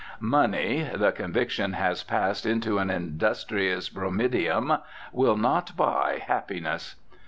Money (the conviction has passed into an industrious bromideum) will not buy happiness.